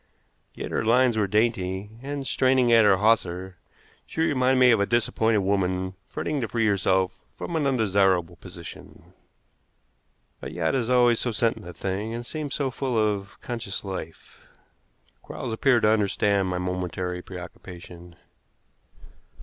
Yet her lines were dainty, and, straining at her hawser, she reminded me of a disappointed woman fretting to free herself from an undesirable position. A yacht is always so sentient a thing, and seems so full of conscious life. Quarles appeared to understand my momentary preoccupation.